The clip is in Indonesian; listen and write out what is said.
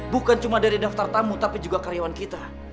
bukan cuma dari daftar tamu tapi juga karyawan kita